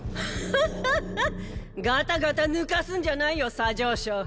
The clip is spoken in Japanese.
ッハハハガタガタ抜かすんじゃないよ左丞相。